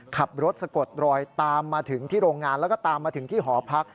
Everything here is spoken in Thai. ขับรถสะกดรอยตามมาถึงที่โรงงานแล้วก็ตามมาถึงที่หอพัก